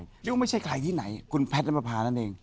เรียกว่าไม่ใช่ใครที่ไหนคุณแพทย์น้ำประพานั่นเอง